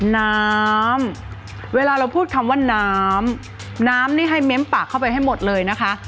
น้ำเวลาเราพูดคำว่าน้ำน้ำนี่ให้เม้มปากเข้าไปให้หมดเลยนะคะ